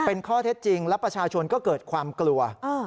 เป็นข้อเท็จจริงและประชาชนก็เกิดความกลัว